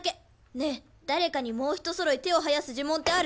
ねえ誰かにもうひとそろい手を生やす呪文ってある？